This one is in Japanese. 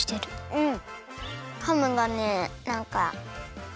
うん。